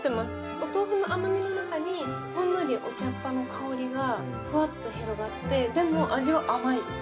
お豆腐の甘みの中にほんのりお茶っ葉の香りがフワッと広がって、でも、味は甘いです。